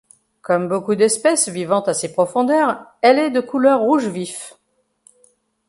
Comme beaucoup d'espèces vivant à ces profondeurs, elle est de couleur rouge vif.